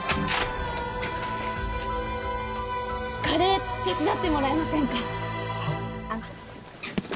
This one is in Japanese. カレー手伝ってもらえませんか？